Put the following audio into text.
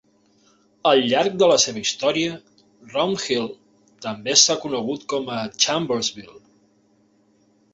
Al llarg de la seva història, Round Hill també s'ha conegut com a Chambersville.